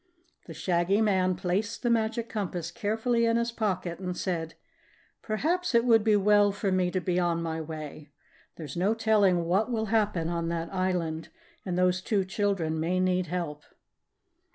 The Shaggy Man placed the Magic Compass carefully in his pocket and said: "Perhaps it would be well for me to be on my way. There's no telling what will happen on that island and those two children may need help."